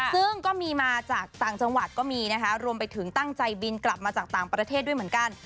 ซึ่งก็มีมาจากต่างจังหวัดก็มีนะคะรวมไปถึงตั้งใจบินกลับมาจากต่างประเทศด้วยเหมือนกัน